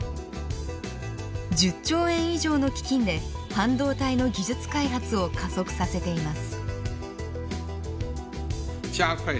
１０兆円以上の基金で半導体の技術開発を加速させています。